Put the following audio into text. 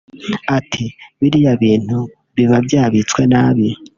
Ati “Biriya bintu biba byabitswe nabi